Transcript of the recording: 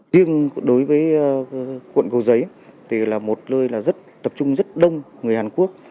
riêng đối với quận cầu giấy thì là một nơi rất tập trung rất đông người hàn quốc